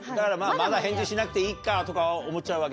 まだ返事しなくていいかとか思っちゃうわけだ？